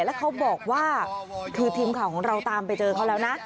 แล้วเขาบอกว่าคือทีมข่าวของเราตามไปเจอเขาแล้วนะ